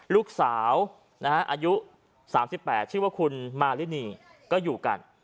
ลูกสาวอายุ๓๘ชื่อว่าคุณมารินีก็อยู่กัน